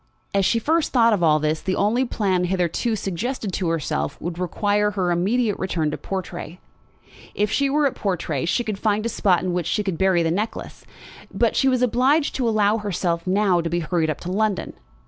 As she first thought of all this, the only plan hitherto suggested to herself would require her immediate return to Portray. If she were at Portray she could find a spot in which she could bury the necklace. But she was obliged to allow herself now to be hurried up to London.